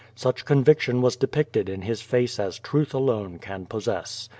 Such conviction was depicted in his face as truth alone can possess.